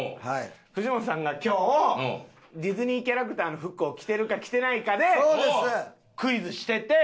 藤本さんが今日ディズニーキャラクターの服を着てるか着てないかでクイズしてて。